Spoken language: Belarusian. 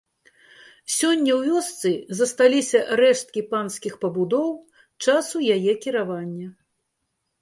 Сёння ў вёсцы засталіся рэшткі панскіх пабудоў часу яе кіравання.